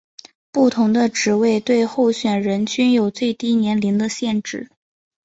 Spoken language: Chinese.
不同的职位对候选人均有最低年龄的限制。